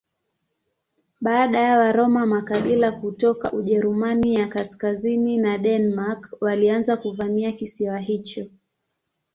Baada ya Waroma makabila kutoka Ujerumani ya kaskazini na Denmark walianza kuvamia kisiwa hicho.